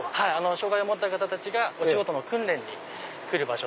障がいを持った方たちがお仕事の訓練に来る場所。